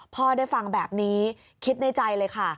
พ่อได้ฟังแบบนี้คิดในใจเลยค่ะ